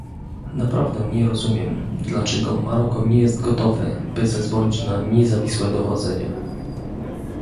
Naprawdę nie rozumiem, dlaczego Maroko nie jest gotowe, by zezwolić na niezawisłe dochodzenie